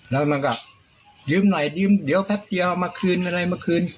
แล้วมันก็ยืมหน่อยยืมเดี๋ยวแป๊บเดียวเอามาคืนอะไรมาคืน